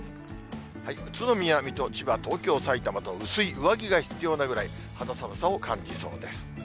宇都宮、水戸、千葉、東京、さいたまと薄い上着が必要なぐらい、肌寒さを感じそうです。